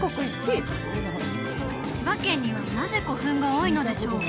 千葉県にはなぜ古墳が多いのでしょう？